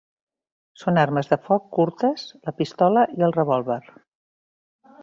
Són armes de foc curtes la pistola i el revòlver.